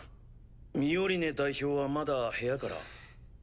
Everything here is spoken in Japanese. ミオリネ代表はまだ部屋から？